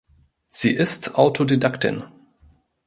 Sie ist Autodidaktin.